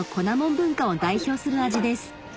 文化を代表する味です